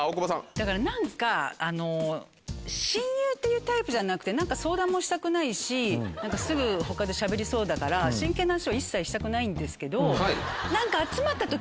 だから何か親友っていうタイプじゃなくて相談もしたくないしすぐ他でしゃべりそうだから真剣な話を一切したくないんですけど。